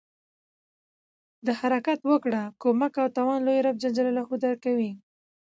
د حرکت وکړه، کومک او توان لوی رب ج درکوي.